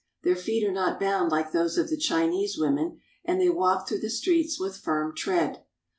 Their feet are not bound like those of the Chinese women, and they walk through the streets with firm tread.